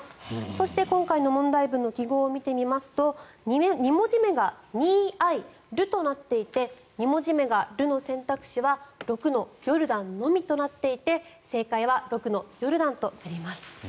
そして今回の問題文の記号を見てみますと２文字目が「２Ｉ」、「ル」となっていて２文字目が「ル」の選択肢は６のヨルダンのみとなっていて正解は６のヨルダンとなります。